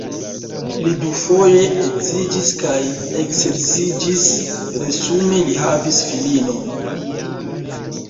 Li dufoje edziĝis kaj eksedziĝis, resume li havis filinon.